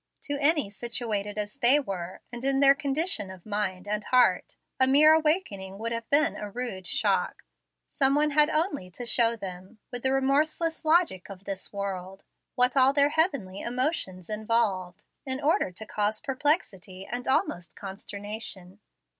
To any situated as they were, and in their condition of mind and heart, a mere awakening would have been a rude shock. Some one had only to show them, with the remorseless logic of this world, what all their heavenly emotions involved, in order to cause perplexity and almost consternation.